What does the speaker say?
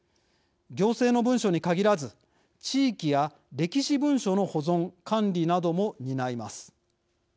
行政の文書に限らず地域や歴史文書の保存・管理なども担います。